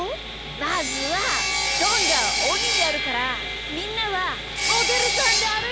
まずはどんがおにやるからみんなはモデルさんであるいてきてよ。